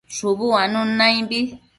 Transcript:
Shubu uanun naimbi